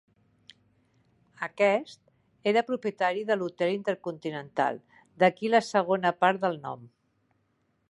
Aquest era propietari de l'hotel Intercontinental, d'aquí la segona part del nom.